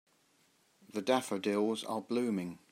The daffodils are blooming.